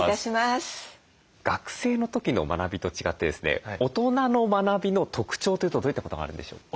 学生の時の学びと違ってですね大人の学びの特徴というとどういったことがあるんでしょう？